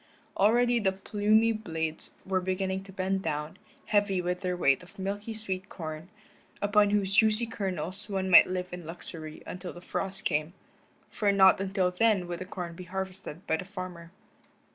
Already the plumy blades were beginning to bend down, heavy with their weight of milky sweet corn, upon whose juicy kernels one might live in luxury until the frost came, for not until then would the corn be harvested by the farmer.